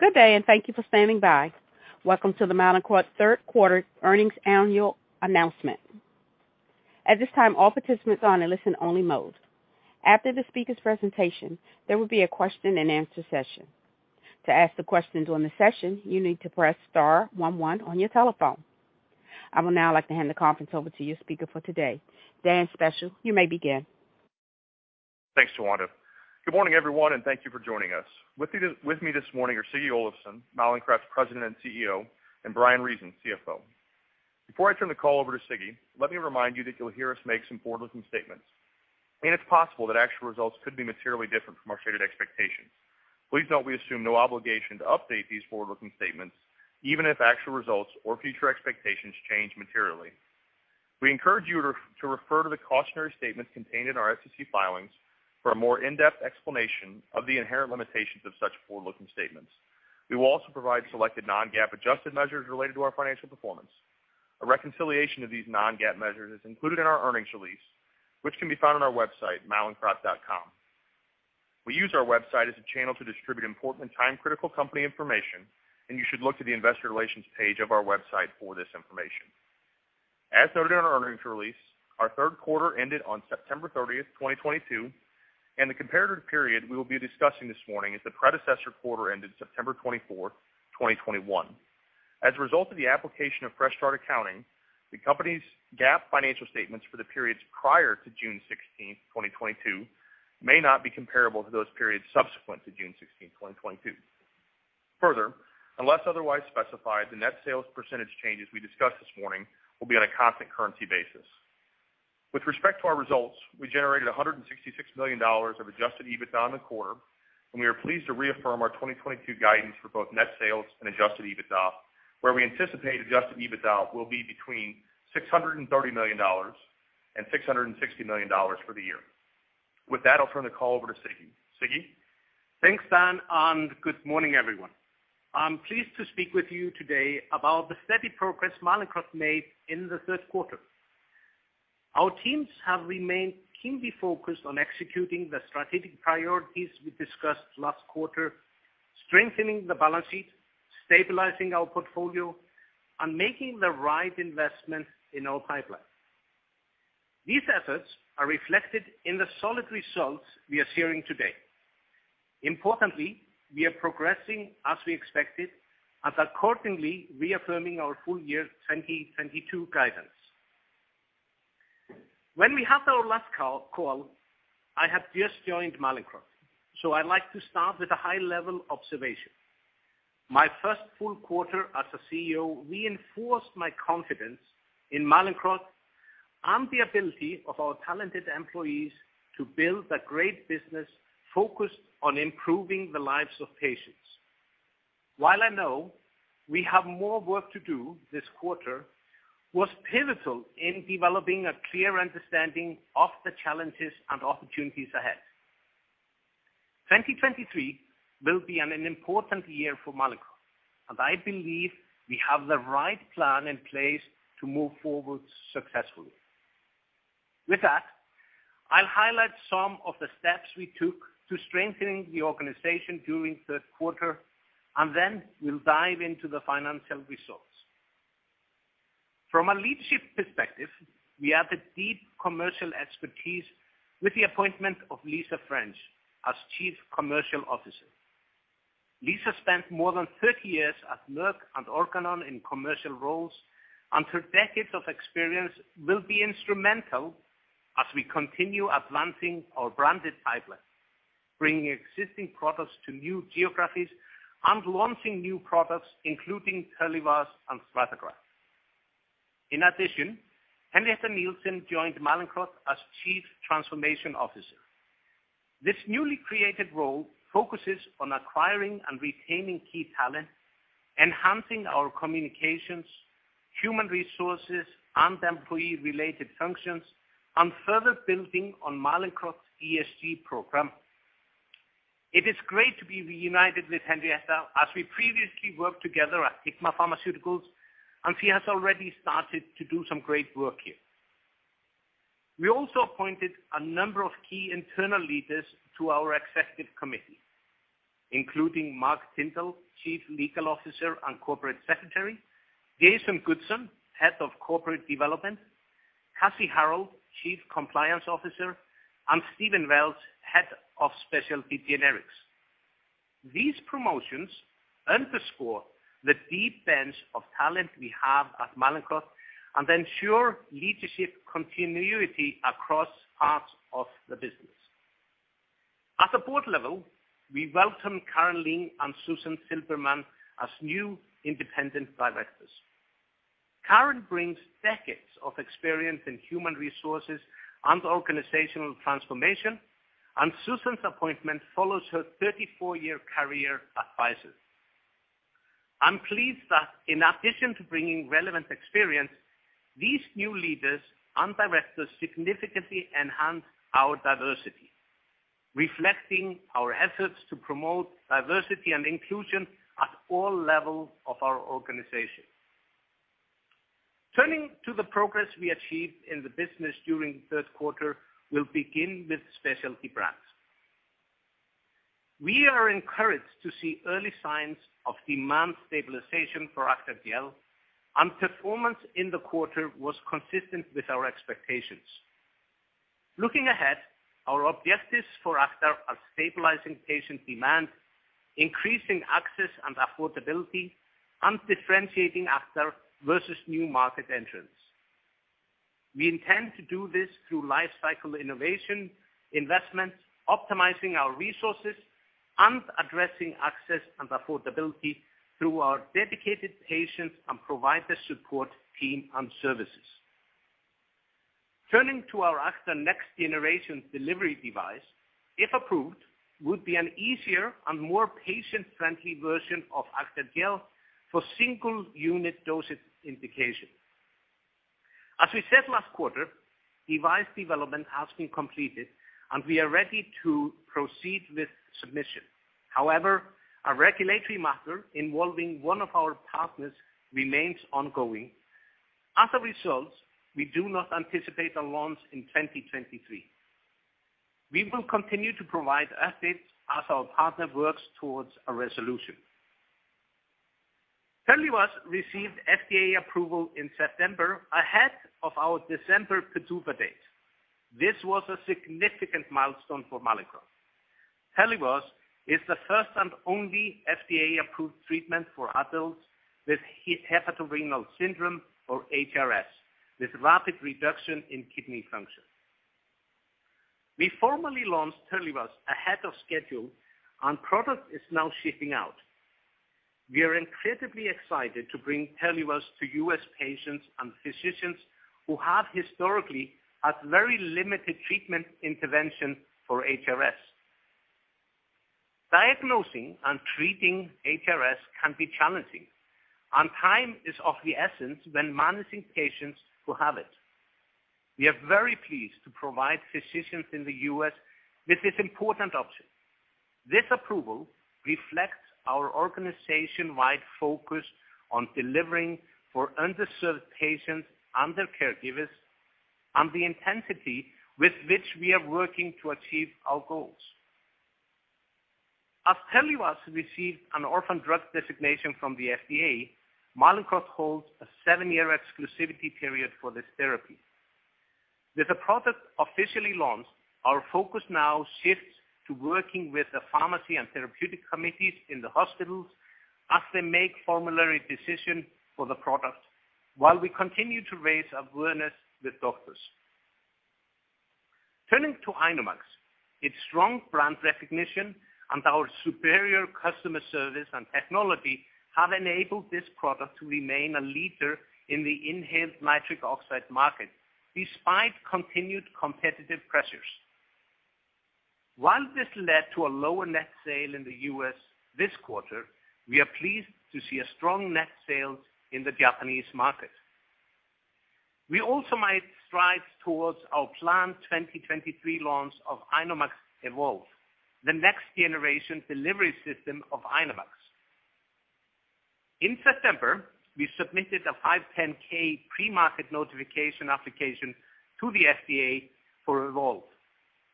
Good day, and thank you for standing by. Welcome to the Mallinckrodt third quarter earnings annual announcement. At this time, all participants are in listen-only mode. After the speaker's presentation, there will be a question-and-answer session. To ask the questions during the session, you need to press star one one on your telephone. I would now like to hand the conference over to your speaker for today. Dan Speciale, you may begin. Thanks, Wanda. Good morning, everyone, and thank you for joining us. With me this morning are Siggi Olafsson, Mallinckrodt's President and CEO, and Bryan Reasons, CFO. Before I turn the call over to Siggi, let me remind you that you'll hear us make some forward-looking statements, and it's possible that actual results could be materially different from our stated expectations. Please note we assume no obligation to update these forward-looking statements, even if actual results or future expectations change materially. We encourage you to refer to the cautionary statements contained in our SEC filings for a more in-depth explanation of the inherent limitations of such forward-looking statements. We will also provide selected non-GAAP adjusted measures related to our financial performance. A reconciliation of these non-GAAP measures is included in our earnings release, which can be found on our website, mallinckrodt.com. We use our website as a channel to distribute important and time-critical company information, and you should look to the investor relations page of our website for this information. As noted in our earnings release, our third quarter ended on September 30, 2022, and the comparative period we will be discussing this morning is the predecessor quarter ended September 24, 2021. As a result of the application of fresh-start accounting, the company's GAAP financial statements for the periods prior to June 16, 2022 may not be comparable to those periods subsequent to June 16, 2022. Further, unless otherwise specified, the net sales percentage changes we discuss this morning will be on a constant currency basis. With respect to our results, we generated $166 million of adjusted EBITDA in the quarter, and we are pleased to reaffirm our 2022 guidance for both net sales and adjusted EBITDA, where we anticipate adjusted EBITDA will be between $630 million and $660 million for the year. With that, I'll turn the call over to Siggi. Siggi? Thanks, Dan, and good morning, everyone. I'm pleased to speak with you today about the steady progress Mallinckrodt made in the third quarter. Our teams have remained keenly focused on executing the strategic priorities we discussed last quarter, strengthening the balance sheet, stabilizing our portfolio, and making the right investments in our pipeline. These efforts are reflected in the solid results we are sharing today. Importantly, we are progressing as we expected and accordingly reaffirming our full year 2022 guidance. When we had our last call, I had just joined Mallinckrodt, so I'd like to start with a high-level observation. My first full quarter as a CEO reinforced my confidence in Mallinckrodt and the ability of our talented employees to build a great business focused on improving the lives of patients. While I know we have more work to do, this quarter was pivotal in developing a clear understanding of the challenges and opportunities ahead. 2023 will be an important year for Mallinckrodt, and I believe we have the right plan in place to move forward successfully. With that, I'll highlight some of the steps we took to strengthening the organization during third quarter, and then we'll dive into the financial results. From a leadership perspective, we added deep commercial expertise with the appointment of Lisa French as Chief Commercial Officer. Lisa spent more than 30 years at Merck and Organon in commercial roles, and her decades of experience will be instrumental as we continue advancing our branded pipeline, bringing existing products to new geographies, and launching new products, including Terlivaz and StrataGraft. In addition, Henriette Nielsen joined Mallinckrodt as Chief Transformation Officer. This newly created role focuses on acquiring and retaining key talent, enhancing our communications, human resources, and employee-related functions, and further building on Mallinckrodt's ESG program. It is great to be reunited with Henriette, as we previously worked together at Hikma Pharmaceuticals, and she has already started to do some great work here. We also appointed a number of key internal leaders to our executive committee, including Mark Tyndall, Chief Legal Officer and Corporate Secretary, Jason Goodson, Head of Corporate Development, Kassie Harrold, Chief Compliance Officer, and Stephen Welch, Head of Specialty Generics. These promotions underscore the deep bench of talent we have at Mallinckrodt and ensure leadership continuity across parts of the business. At the board level, we welcome Karen Ling and Susan Silbermann as new independent directors. Karen brings decades of experience in human resources and organizational transformation, and Susan's appointment follows her 34-year career at Pfizer. I'm pleased that in addition to bringing relevant experience, these new leaders and directors significantly enhance our diversity, reflecting our efforts to promote diversity and inclusion at all levels of our organization. Turning to the progress we achieved in the business during the third quarter, we'll begin with specialty brands. We are encouraged to see early signs of demand stabilization for Acthar Gel, and performance in the quarter was consistent with our expectations. Looking ahead, our objectives for Acthar are stabilizing patient demand, increasing access and affordability, and differentiating Acthar versus new market entrants. We intend to do this through life cycle innovation, investments, optimizing our resources, and addressing access and affordability through our dedicated patients and provider support team and services. Turning to our Acthar next generation delivery device, if approved, would be an easier and more patient-friendly version of Acthar Gel for single unit dosage indication. As we said last quarter, device development has been completed, and we are ready to proceed with submission. However, a regulatory matter involving one of our partners remains ongoing. As a result, we do not anticipate a launch in 2023. We will continue to provide updates as our partner works towards a resolution. Terlivaz received FDA approval in September ahead of our December PDUFA date. This was a significant milestone for Mallinckrodt. Terlivaz is the first and only FDA-approved treatment for adults with hepatorenal syndrome or HRS, with rapid reduction in kidney function. We formally launched Terlivaz ahead of schedule and product is now shipping out. We are incredibly excited to bring Terlivaz to U.S. patients and physicians who have historically had very limited treatment intervention for HRS. Diagnosing and treating HRS can be challenging, and time is of the essence when managing patients who have it. We are very pleased to provide physicians in the U.S. with this important option. This approval reflects our organization-wide focus on delivering for underserved patients and their caregivers and the intensity with which we are working to achieve our goals. As Terlivaz received an orphan drug designation from the FDA, Mallinckrodt holds a seven-year exclusivity period for this therapy. With the product officially launched, our focus now shifts to working with the pharmacy and therapeutic committees in the hospitals as they make formulary decisions for the product while we continue to raise awareness with doctors. Turning to INOmax, its strong brand recognition and our superior customer service and technology have enabled this product to remain a leader in the inhaled nitric oxide market despite continued competitive pressures. While this led to a lower net sale in the U.S. this quarter, we are pleased to see a strong net sales in the Japanese market. We also made strides towards our planned 2023 launch of INOmax EVOLVE, the next generation delivery system of INOmax. In September, we submitted a 510(k) premarket notification application to the FDA for EVOLVE.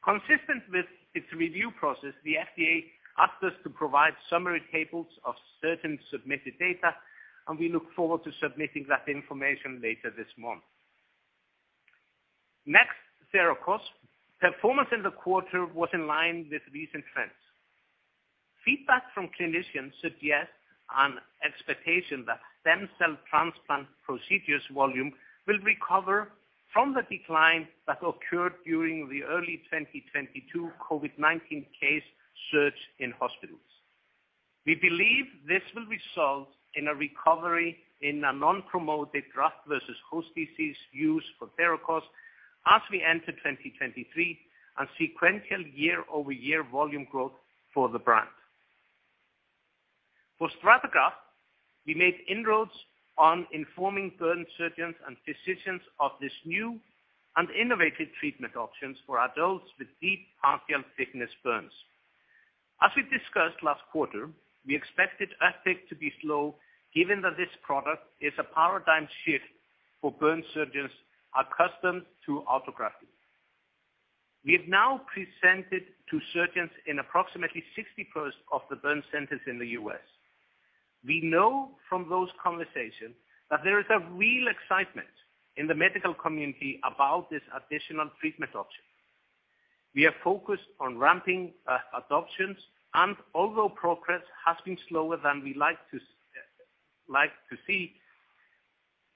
Consistent with its review process, the FDA asked us to provide summary tables of certain submitted data, and we look forward to submitting that information later this month. Next, Therakos. Performance in the quarter was in line with recent trends. Feedback from clinicians suggests an expectation that stem cell transplant procedures volume will recover from the decline that occurred during the early 2022 COVID-19 case surge in hospitals. We believe this will result in a recovery in a non-promoted graft-versus-host disease use for Therakos as we enter 2023 and sequential year-over-year volume growth for the brand. For StrataGraft, we made inroads on informing burn surgeons and physicians of this new and innovative treatment options for adults with deep partial-thickness burns. As we discussed last quarter, we expected uptake to be slow given that this product is a paradigm shift for burn surgeons accustomed to autografting. We have now presented to surgeons in approximately 60% of the burn centers in the U.S. We know from those conversations that there is a real excitement in the medical community about this additional treatment option. We are focused on ramping adoptions and although progress has been slower than we like to see,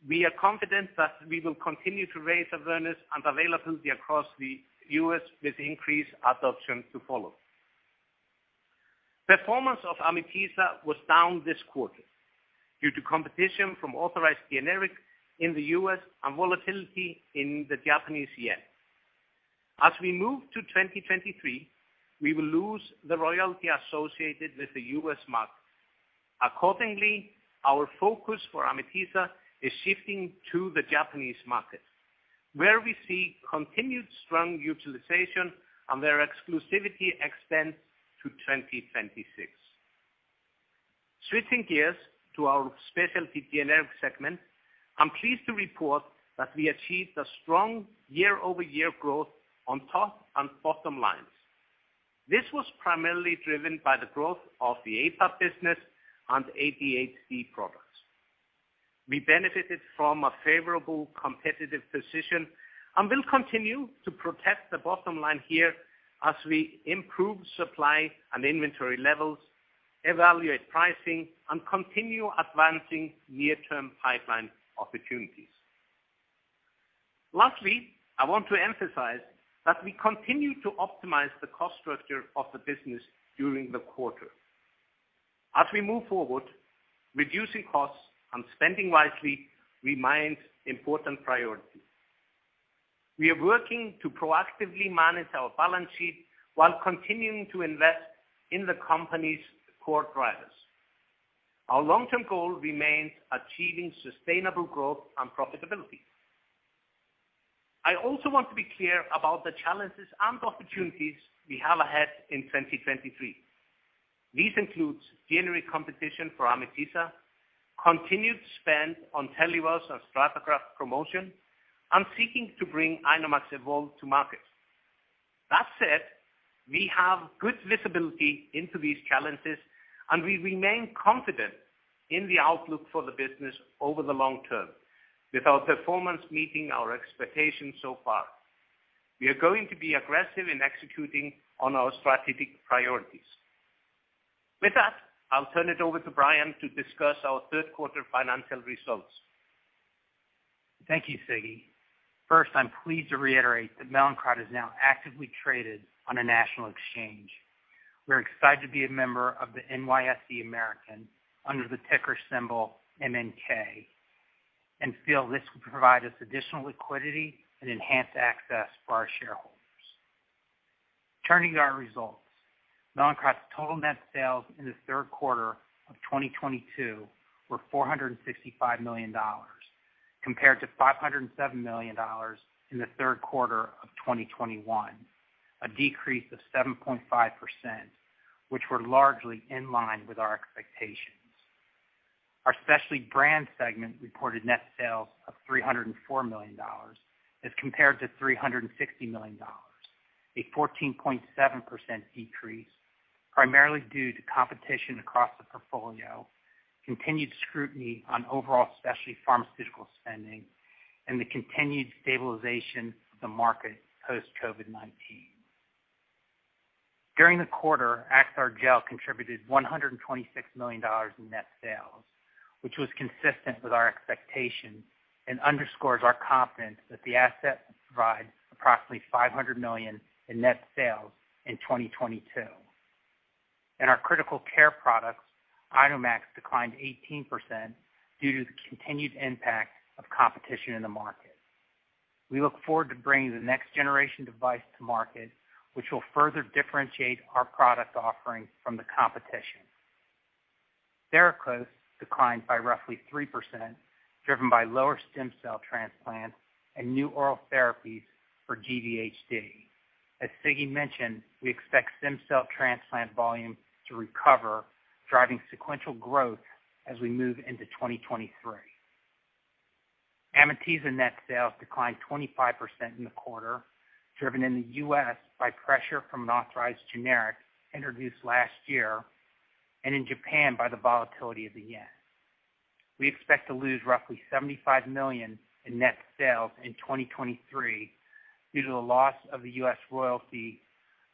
we are confident that we will continue to raise awareness and availability across the U.S. with increased adoption to follow. Performance of Amitiza was down this quarter due to competition from authorized generic in the U.S. and volatility in the Japanese yen. As we move to 2023, we will lose the royalty associated with the U.S. market. Accordingly, our focus for Amitiza is shifting to the Japanese market, where we see continued strong utilization and their exclusivity extends to 2026. Switching gears to our specialty generic segment, I'm pleased to report that we achieved a strong year-over-year growth on top and bottom lines. This was primarily driven by the growth of the APAP business and ADHD products. We benefited from a favorable competitive position and will continue to protect the bottom line here as we improve supply and inventory levels, evaluate pricing, and continue advancing near-term pipeline opportunities. Lastly, I want to emphasize that we continue to optimize the cost structure of the business during the quarter. As we move forward, reducing costs and spending wisely remains important priority. We are working to proactively manage our balance sheet while continuing to invest in the company's core drivers. Our long-term goal remains achieving sustainable growth and profitability. I also want to be clear about the challenges and opportunities we have ahead in 2023. This includes generic competition for Amitiza, continued spend on Terlivaz and StrataGraft promotion, and seeking to bring INOmax EVOLVE to market. That said, we have good visibility into these challenges, and we remain confident in the outlook for the business over the long term. With our performance meeting our expectations so far, we are going to be aggressive in executing on our strategic priorities. With that, I'll turn it over to Bryan to discuss our third quarter financial results. Thank you, Siggi. First, I'm pleased to reiterate that Mallinckrodt is now actively traded on a national exchange. We're excited to be a member of the NYSE American under the ticker symbol MNK, and feel this will provide us additional liquidity and enhanced access for our shareholders. Turning to our results. Mallinckrodt's total net sales in the third quarter of 2022 were $465 million, compared to $507 million in the third quarter of 2021, a decrease of 7.5%, which were largely in line with our expectations. Our specialty brand segment reported net sales of $304 million as compared to $360 million, a 14.7% decrease, primarily due to competition across the portfolio, continued scrutiny on overall specialty pharmaceutical spending, and the continued stabilization of the market post COVID-19. During the quarter, Acthar Gel contributed $126 million in net sales, which was consistent with our expectations and underscores our confidence that the asset will provide approximately $500 million in net sales in 2022. In our critical care products, INOmax declined 18% due to the continued impact of competition in the market. We look forward to bringing the next generation device to market, which will further differentiate our product offering from the competition. Therakos declined by roughly 3%, driven by lower stem cell transplants and new oral therapies for GVHD. As Siggi mentioned, we expect stem cell transplant volume to recover, driving sequential growth as we move into 2023. Amitiza net sales declined 25% in the quarter, driven in the U.S. by pressure from an authorized generic introduced last year, and in Japan by the volatility of the yen. We expect to lose roughly $75 million in net sales in 2023 due to the loss of the U.S. royalty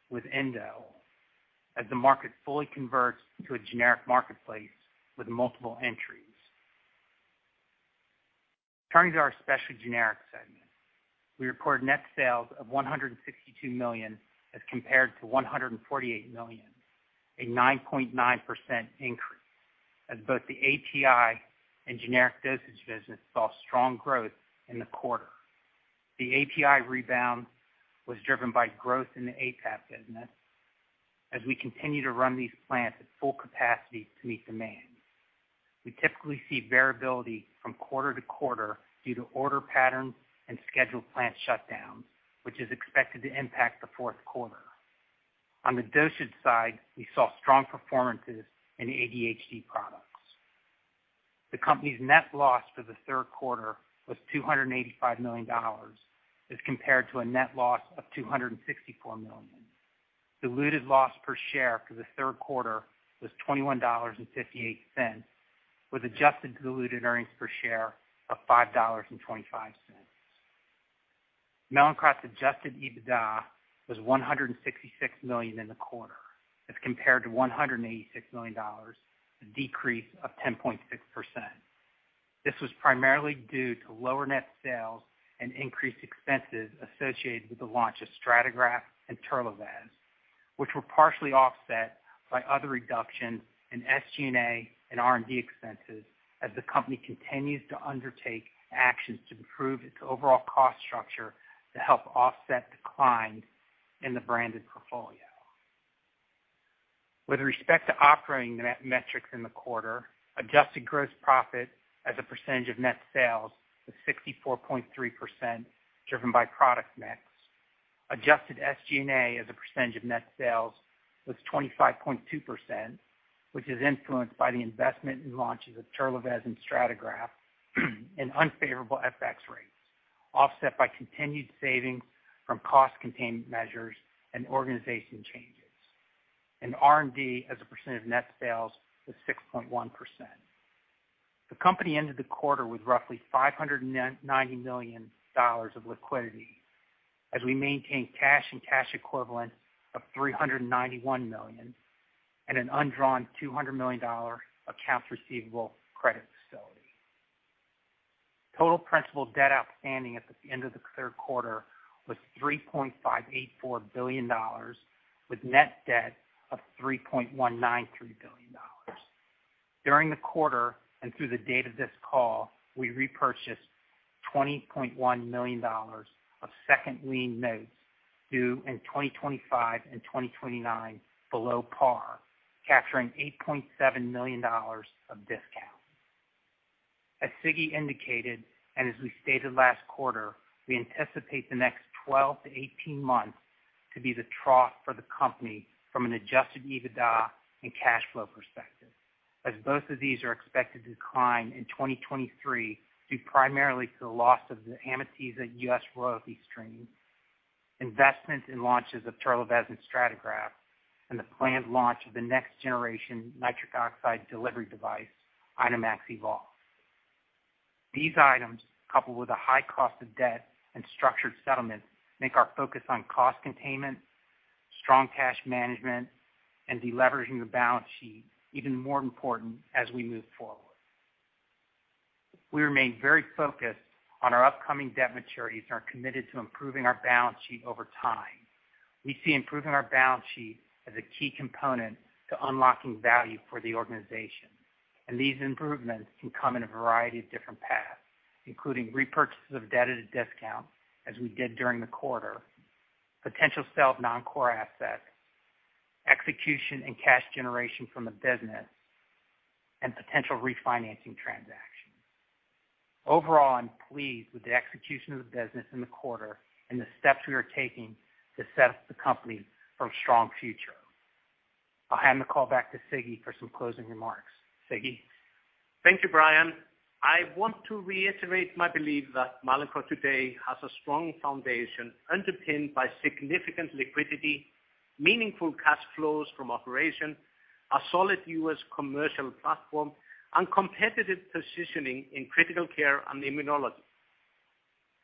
with Endo as the market fully converts to a generic marketplace with multiple entries. Turning to our specialty generic segment. We reported net sales of $162 million as compared to $148 million, a 9.9% increase, as both the API and generic dosage business saw strong growth in the quarter. The API rebound was driven by growth in the APAP business as we continue to run these plants at full capacity to meet demand. We typically see variability from quarter to quarter due to order patterns and scheduled plant shutdowns, which is expected to impact the fourth quarter. On the dosage side, we saw strong performances in ADHD products. The company's net loss for the third quarter was $285 million as compared to a net loss of $264 million. Diluted loss per share for the third quarter was $21.58, with adjusted diluted earnings per share of $5.25. Mallinckrodt's adjusted EBITDA was $166 million in the quarter as compared to $186 million, a decrease of 10.6%. This was primarily due to lower net sales and increased expenses associated with the launch of StrataGraft and Terlivaz, which were partially offset by other reductions in SG&A and R&D expenses as the company continues to undertake actions to improve its overall cost structure to help offset declines in the branded portfolio. With respect to operating metrics in the quarter, adjusted gross profit as a percentage of net sales was 64.3%, driven by product mix. Adjusted SG&A as a percentage of net sales was 25.2%, which is influenced by the investment in launches of Terlivaz and StrataGraft and unfavorable FX rates, offset by continued savings from cost containment measures and organization changes. R&D as a percentage of net sales was 6.1%. The company ended the quarter with roughly $590 million of liquidity as we maintain cash and cash equivalents of $391 million and an undrawn $200 million accounts receivable credit facility. Total principal debt outstanding at the end of the third quarter was $3.584 billion, with net debt of $3.193 billion. During the quarter and through the date of this call, we repurchased $20.1 million of second lien notes due in 2025 and 2029 below par, capturing $8.7 million of discount. As Siggi indicated, and as we stated last quarter, we anticipate the next 12 to 18 months to be the trough for the company from an adjusted EBITDA and cash flow perspective, as both of these are expected to decline in 2023 due primarily to the loss of the Amitiza U.S. royalty stream, investments in launches of Terlivaz and StrataGraft, and the planned launch of the next generation nitric oxide delivery device, INOmax EVOLVE. These items, coupled with a high cost of debt and structured settlements, make our focus on cost containment, strong cash management, and deleveraging the balance sheet even more important as we move forward. We remain very focused on our upcoming debt maturities and are committed to improving our balance sheet over time. We see improving our balance sheet as a key component to unlocking value for the organization, and these improvements can come in a variety of different paths, including repurchases of debt at a discount, as we did during the quarter, potential sale of non-core assets, execution and cash generation from the business, and potential refinancing transactions. Overall, I'm pleased with the execution of the business in the quarter and the steps we are taking to set up the company for a strong future. I'll hand the call back to Siggi for some closing remarks. Siggi? Thank you, Bryan. I want to reiterate my belief that Mallinckrodt today has a strong foundation underpinned by significant liquidity, meaningful cash flows from operations, a solid U.S. commercial platform, and competitive positioning in critical care and immunology.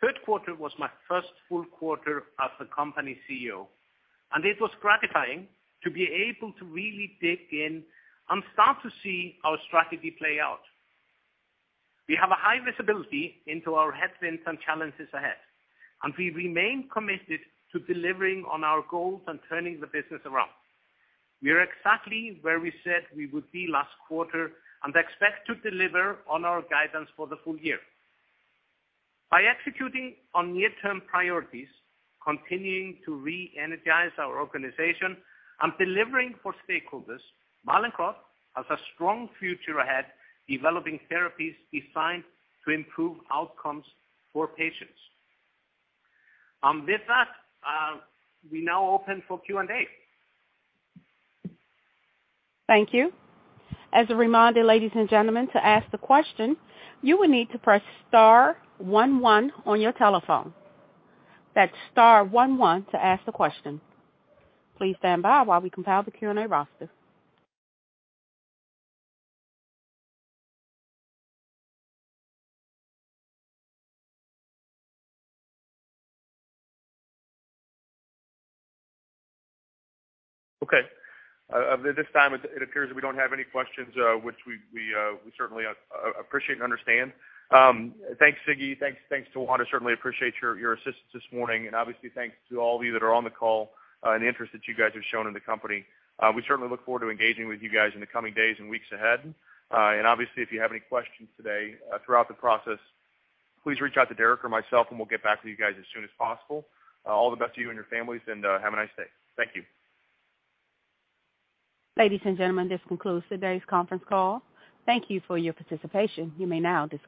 Third quarter was my first full quarter as the company CEO, and it was gratifying to be able to really dig in and start to see our strategy play out. We have a high visibility into our headwinds and challenges ahead, and we remain committed to delivering on our goals and turning the business around. We are exactly where we said we would be last quarter and expect to deliver on our guidance for the full year. By executing on near-term priorities, continuing to re-energize our organization, and delivering for stakeholders, Mallinckrodt has a strong future ahead, developing therapies designed to improve outcomes for patients. With that, we now open for Q&A. Thank you. As a reminder, ladies and gentlemen, to ask the question, you will need to press star one one on your telephone. That's star one one to ask the question. Please stand by while we compile the Q&A roster. Okay. At this time, it appears that we don't have any questions, which we certainly appreciate and understand. Thanks, Siggi. Thanks to Wanda. Certainly appreciate your assistance this morning. Obviously thanks to all of you that are on the call, and the interest that you guys have shown in the company. We certainly look forward to engaging with you guys in the coming days and weeks ahead. Obviously, if you have any questions today, throughout the process, please reach out to Derek or myself, and we'll get back to you guys as soon as possible. All the best to you and your families, and have a nice day. Thank you. Ladies and gentlemen, this concludes today's conference call. Thank you for your participation. You may now disconnect.